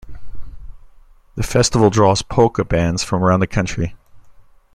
The festival draws polka bands from around the country.